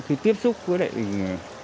khi tiếp xúc với người bị tạm giữ tạm giam